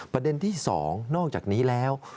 ประเด็นที่๒นอกจากนี้แล้ว